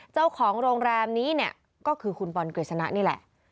เจ้าของโรงแรมนี้เนี่ยก็คือคุณบอลกฤษณะนี่แหละ